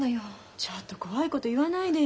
ちょっと怖いこと言わないでよ。